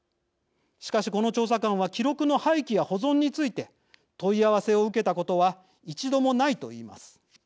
しかし、この調査官は記録の廃棄や保存について問い合わせを受けたことは一度もないと言います。